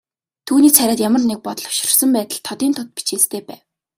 Түүний царайд ямар нэг бодлогоширсон байдал тодын тод бичээстэй байв.